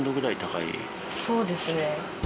そうですね。